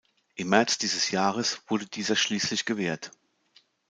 Im März dieses Jahres wurde dieser schliesslich gewährt.